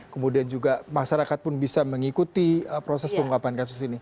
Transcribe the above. kemudian juga masyarakat pun bisa mengikuti proses pengungkapan kasus ini